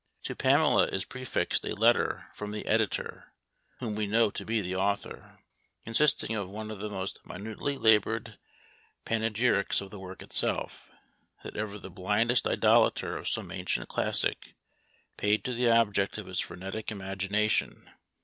To Pamela is prefixed a letter from the editor (whom we know to be the author), consisting of one of the most minutely laboured panegyrics of the work itself, that ever the blindest idolater of some ancient classic paid to the object of his frenetic imagination.